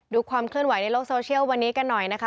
ความเคลื่อนไหวในโลกโซเชียลวันนี้กันหน่อยนะคะ